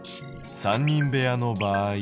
３人部屋の場合。